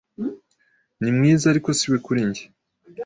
Ni mwiza, ariko siwe kuri njye.